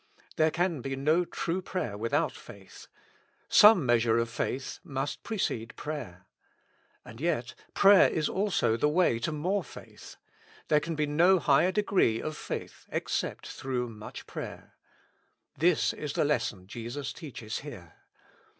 There can be no true prayer without faith ; some measure of faith must precede prayer. And yet prayer is also the way to more faith ; there can be no higher degree of faith except through much prayer. This is the lesson Jesus teaches here.